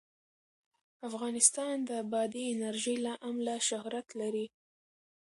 افغانستان د بادي انرژي له امله شهرت لري.